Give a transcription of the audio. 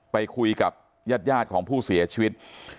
ไปคุยกับญาติของผู้เสียชีวิต